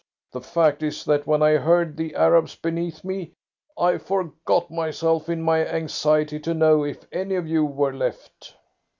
The fact is that, when I heard the Arabs beneath me, I forgot myself in my anxiety to know if any of you were left."